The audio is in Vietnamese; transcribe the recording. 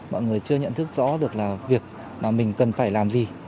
mọi người chưa nhận thức rõ được là việc mà mình cần phải làm gì